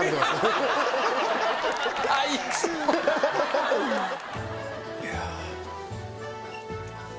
いや。